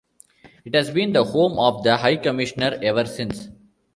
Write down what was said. It has been the home of the High Commissioner ever since.